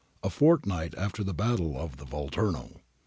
[A fortnight after the battle of the Volturno.